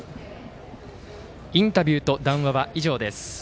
インタビューと談話は以上です。